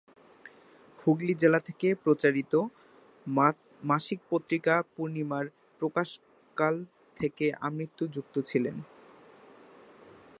হুগলি জেলা থেকে প্রচারিত মাসিক পত্রিকা "পূর্ণিমা" র প্রকাশকাল থেকে আমৃত্যু যুক্ত ছিলেন।